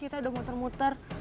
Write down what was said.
kita udah muter muter